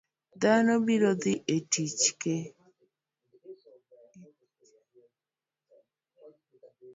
Dhano biro dhi e tich ke